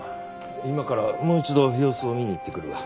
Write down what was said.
今からもう一度様子を見に行ってくるよ。